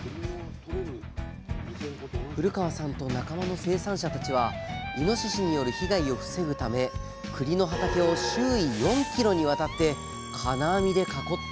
古川さんと仲間の生産者たちはイノシシによる被害を防ぐためくりの畑を周囲４ｋｍにわたって金網で囲っています。